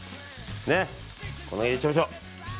これぐらい入れちゃいましょう。